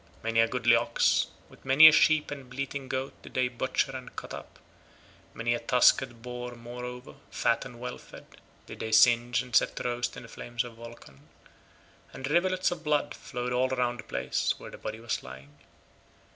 Many a goodly ox, with many a sheep and bleating goat did they butcher and cut up; many a tusked boar moreover, fat and well fed, did they singe and set to roast in the flames of Vulcan; and rivulets of blood flowed all round the place where the body was lying.